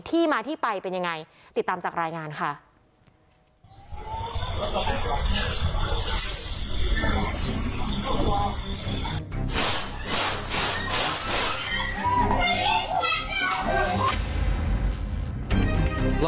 ที่มาที่ไปเป็นยังไงติดตามจากรายงานค่ะ